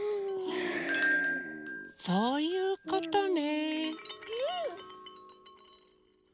そういうことね。